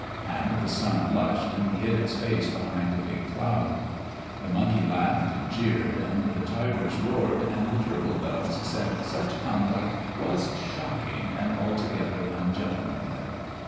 And the sun blushed and hid its face beneath a big cloud. The monkey laughed and jeered, and the tigers roared, and the turtle doves said such conduct was shocking and altogether ungentlemanly.